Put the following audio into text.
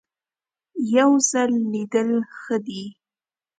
یو ځل لیدل ښه دي .